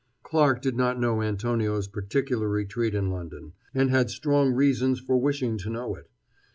Clarke did not know Antonio's particular retreat in London, and had strong reasons for wishing to know it.